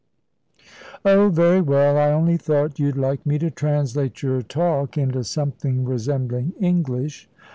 "Oh, very well. I only thought you'd like me to translate your talk into something resembling English."